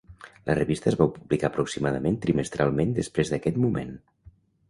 La revista es va publicar aproximadament trimestralment després d'aquest moment.